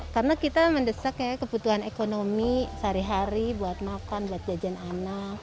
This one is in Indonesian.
karena kita mendesak kebutuhan ekonomi sehari hari buat makan buat jajan anak